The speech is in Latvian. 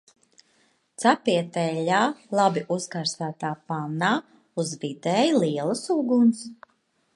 Cepiet eļļā labi uzkarsētā pannā uz vidēji lielas uguns.